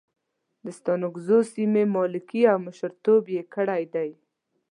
د ستانکزو سیمې ملکي او مشرتوب یې کړی دی.